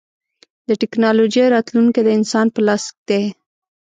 د ټکنالوجۍ راتلونکی د انسان په لاس دی.